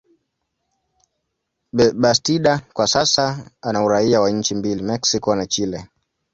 Bastida kwa sasa ana uraia wa nchi mbili, Mexico na Chile.